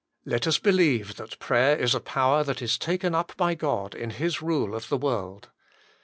Let us believe that prayer is a power that is taken up by God in His rule of the world.